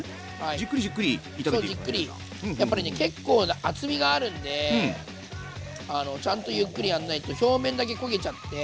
やっぱりね結構な厚みがあるんでちゃんとゆっくりやんないと表面だけ焦げちゃって。